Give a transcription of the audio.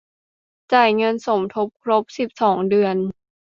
จ่ายเงินสมทบครบ สิบสอง เดือน